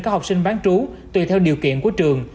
các học sinh bán trú tùy theo điều kiện của trường